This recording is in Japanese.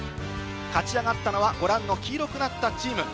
勝ち上がったのは、ご覧の黄色になったチーム。